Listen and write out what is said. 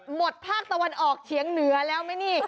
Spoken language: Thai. ภาคตะวันออกเฉียงเหนือแล้วไหมนี่